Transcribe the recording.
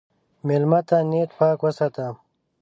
مېلمه ته نیت پاک وساته.